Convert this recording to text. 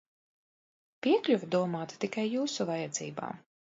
Piekļuve domāta tikai Jūsu vajadzībām!